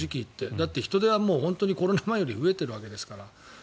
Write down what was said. だって、人出はコロナ前より増えているわけですから。